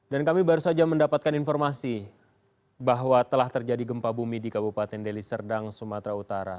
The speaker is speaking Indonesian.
dan kami baru saja mendapatkan informasi bahwa telah terjadi gempa bumi di kabupaten deli serdang sumatera utara